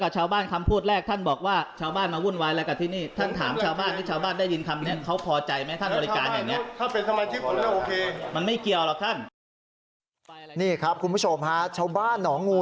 ชาวบ้านหนองงู